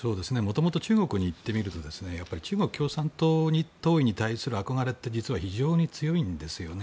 中国にいってみると中国共産党員に対する憧れというのは実は非常に強いんですね。